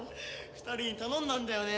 ２人に頼んだんだよね。